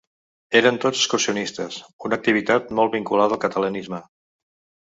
Eren tots excursionistes, una activitat molt vinculada al catalanisme.